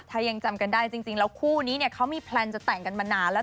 ถ้ายังจำกันได้จริงแล้วคู่นี้เนี่ยเขามีแพลนจะแต่งกันมานานแล้ว